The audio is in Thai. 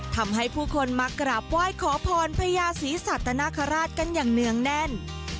ทำให้ผู้คนมากราบไหว้ขอพรพญาศรีสัตนคราชกันอย่างเนื่องแน่น